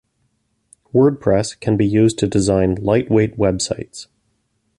Wordpress can be used to design light weight websites.